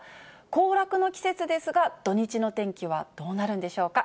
行楽の季節ですが、土日の天気はどうなるんでしょうか。